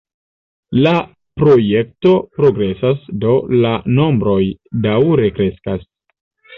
La projekto progresas, do la nombroj daŭre kreskas.